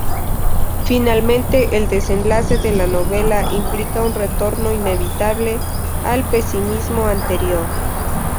Finalmente, el desenlace de la novela implica un retorno inevitable al pesimismo anterior.